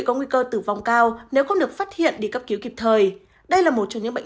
có nguy cơ tử vong cao nếu không được phát hiện đi cấp cứu kịp thời đây là một trong những bệnh